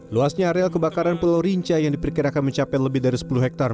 luasnya areal kebakaran pulau rinca yang diperkirakan mencapai lebih dari sepuluh hektare